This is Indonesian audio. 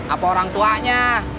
atau orang tuanya